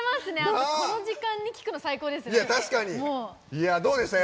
この時間に聴くの最高ですね。